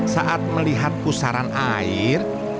saat melihat pusaran air